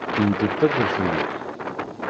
Mdel tawwurt-nnek.